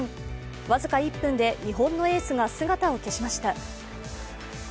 僅か１分で日本のエースが姿を消しました。